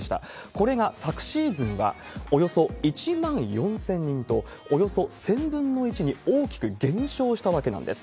これが昨シーズンは、およそ１万４０００人と、およそ１０００分の１に大きく減少したわけなんです。